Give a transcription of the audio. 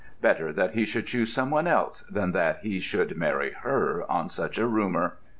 Better that he should choose some one else than that he should marry her on such a rumour!